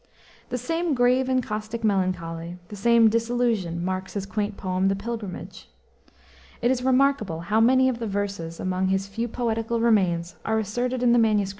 The same grave and caustic melancholy, the same disillusion marks his quaint poem, The Pilgrimage. It is remarkable how many of the verses among his few poetical remains are asserted in the MSS.